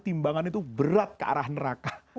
timbangan itu berat ke arah neraka